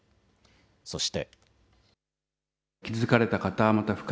そして。